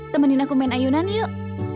temenin aku main ayunan yuk